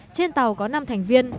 trên tàu có năm thành viên